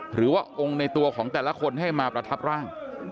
หรือว่าองค์ในตัวของแต่ละคนให้มาประทับร่าง